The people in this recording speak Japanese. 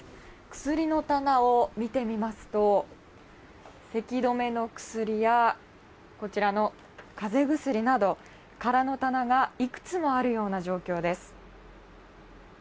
薬の棚を見てみますとせき止めの薬やこちらの風邪薬など空の棚がいくつもあるような状況です。